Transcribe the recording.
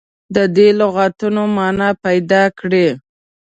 د دې لغتونو معنا پیداکړي.